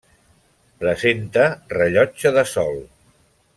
Presenta rellotge de sol.